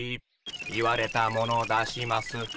言われたもの出します。